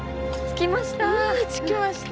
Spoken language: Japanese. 着きました。